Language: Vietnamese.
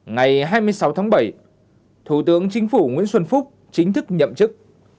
ngày hai mươi sáu tháng bảy thủ tướng chính phủ nguyễn xuân phúc chính thức nhậm chức